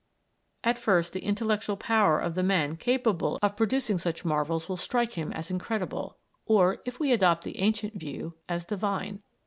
At first the intellectual power of the men capable of producing such marvels will strike him as incredible, or, if we adopt the ancient view, as divine.